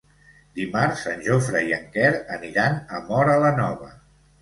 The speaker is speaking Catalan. Dimarts en Jofre i en Quer aniran a Móra la Nova.